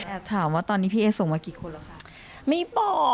แอบถามว่าตอนนี้พี่เอสส่งมากี่คนแล้วคะ